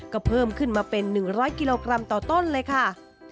ก็เพิ่มขึ้นมาเป็น๑๐๐กิโลกรัมต่อต้นเลยค่ะ